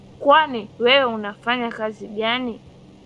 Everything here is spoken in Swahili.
Kwani we unafanya kazi gani?